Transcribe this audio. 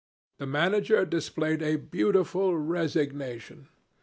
The manager displayed a beautiful resignation.